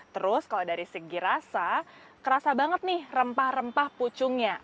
terus kalau dari segi rasa kerasa banget nih rempah rempah pucungnya